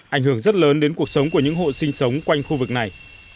ảnh hưởng rất lớn đến cuộc sống của những hộ sinh sống quanh khu vực này